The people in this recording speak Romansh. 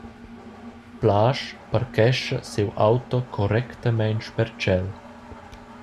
Plasch parchescha siu auto correctamein sper tschel.